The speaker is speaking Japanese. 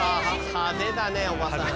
派手だねおばさん。